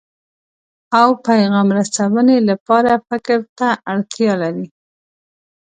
او پیغام رسونې لپاره فکر ته اړتیا لري.